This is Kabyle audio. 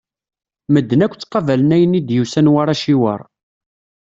Medden akk ttaqabalen ayen i d-yusan war aciwer.